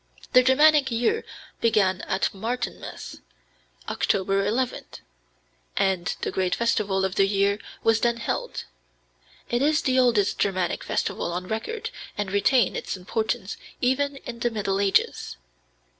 The Germanic year began at Martinmas (November 11th), and the great festival of the year was then held. It is the oldest Germanic festival on record, and retained its importance even in the Middle Ages.